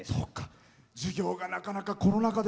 授業がなかなかコロナ禍で。